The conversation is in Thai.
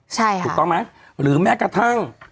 ถูกต้องมั้ยหรือแม้กระทั่ง